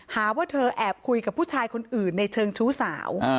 หาว่าเธอแอบคุยกับผู้ชายคนอื่นในเชิงชู้สาว